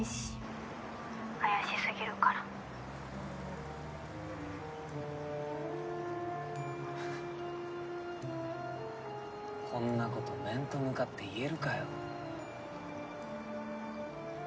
「怪しすぎるから」こんなこと面と向かって言えるかよ。